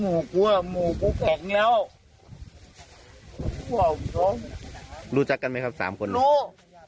หมู่กูแกะเหนียวรู้จักกันไหมครับสามคนรู้